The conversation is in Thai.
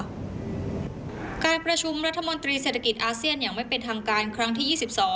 การประชุมรัฐมนตรีเศรษฐกิจอาเซียนอย่างไม่เป็นทางการครั้งที่๒๒